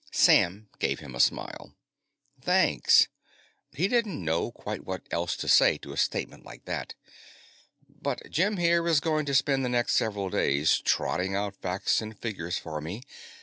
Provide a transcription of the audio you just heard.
Sam gave him a smile. "Thanks." He didn't know quite what else to say to a statement like that. "But Jim, here, is going to spend the next several days trotting out facts and figures for me.